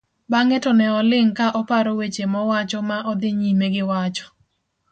bang'e to ne oling' ka oparo weche mowacho ma odhi nyime giwacho